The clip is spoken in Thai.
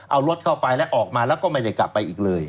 เอารถเข้าไปแล้วออกมาแล้วก็ไม่ได้กลับไปอีกเลย